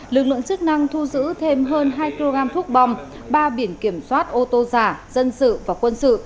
lực lượng chức năng thu giữ thêm hơn hai kg thuốc bom ba biển kiểm soát ô tô giả dân sự và quân sự